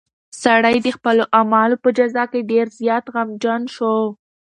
سړی د خپلو اعمالو په جزا کې ډېر زیات غمجن شو.